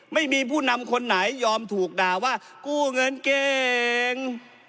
ไม่มีผู้นำคนไหนยอมถูกด่าว่ากู้เงินเก่ง